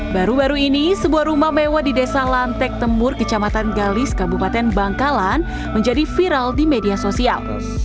baru baru ini sebuah rumah mewah di desa lantek temur kecamatan galis kabupaten bangkalan menjadi viral di media sosial